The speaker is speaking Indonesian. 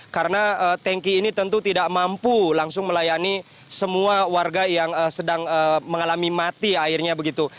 karena tanki ini tentu tidak mampu langsung melayani semua warga yang sedang mengalami mati airnya begitu